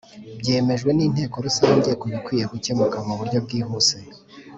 byemejwe n Inteko Rusange ku bikwiye gukemuka mu buryo bwihuse